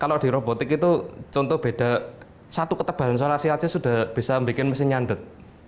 kalau di robotik itu contoh beda satu ketebalan soalnya siatnya sudah bisa bikin mesin nyandet